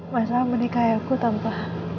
masalah menikah aku tanpa